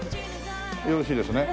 よろしいですね？